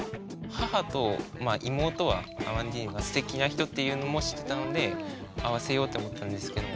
母と妹はアマンディーヌがすてきな人っていうのも知ってたので会わせようって思ってたんですけど